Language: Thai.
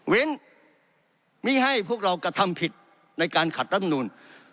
เว้นไม่ให้พวกเรากระทำผิดในการขัดรับนูน